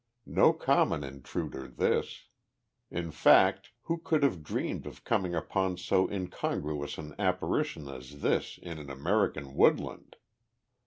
No common intruder this. In fact, who could have dreamed of coming upon so incongruous an apparition as this in an American woodland?